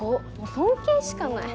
尊敬しかない。